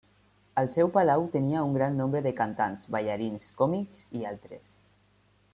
Al seu palau tenia un gran nombre de cantants, ballarins, còmics i altres.